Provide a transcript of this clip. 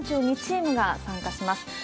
３２チームが参加します。